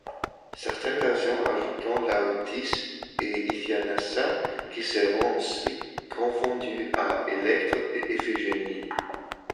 Certaines versions ajoutent Laodicé et Iphianassa, qui seront ensuite confondues à Électre et Iphigénie.